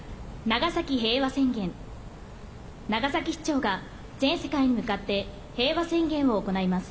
長崎市長が全世界に向かって「平和宣言」を行います。